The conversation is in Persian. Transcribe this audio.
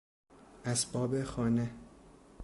اسباب خانه